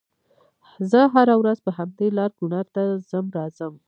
زه هره ورځ په همدې لار کونړ ته ځم راځم